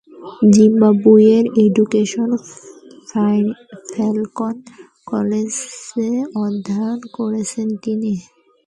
জিম্বাবুয়ের education Falcon কলেজে অধ্যয়ন করেছেন তিনি।